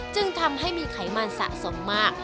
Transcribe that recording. จึงทำให้มีไขมันสะสมมาก